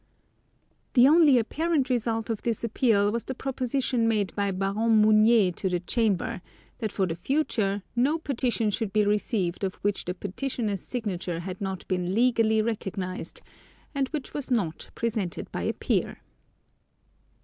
The only apparent result of this appeal was the proposition made by Baron Mounier to the Chamber, that for the future no petition should be received of which the petitioner's signature had not been legally recognized, and which was not presented by a peer.